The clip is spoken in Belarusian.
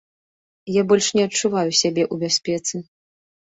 Я больш не адчуваю сябе ў бяспецы.